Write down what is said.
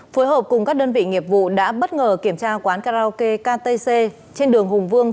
phối hợp cùng các đơn vị nghiệp vụ đã bất ngờ kiểm tra quán karaoke ktc trên đường hùng vương